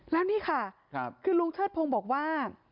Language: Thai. แล้วนี่ค่ะคือลุงเชิดพงศ์บอกว่า